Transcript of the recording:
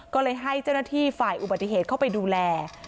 ก็เลยให้เจ้าหน้าที่ฝ่ายอุบัติเหตุเข้าไปดูแล